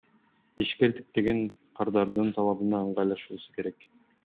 Ишкердик деген кардардын талабына ыңгайлашуусу керек.